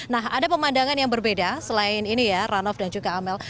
nah ada pemandangan yang berbeda selain ini ya ranof dan juga amel